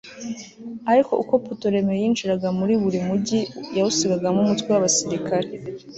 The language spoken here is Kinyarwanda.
ariko uko putolemeyi yinjiraga muri buri mugi yawusigagamo umutwe w'abasirikare